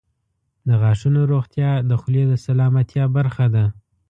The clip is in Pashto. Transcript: • د غاښونو روغتیا د خولې د سلامتیا برخه ده.